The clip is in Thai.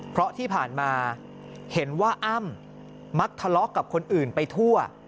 เพราะที่ผ่านมาเห็นว่าอ้ำมักทะเลาะกับคนอื่นไปทั่ว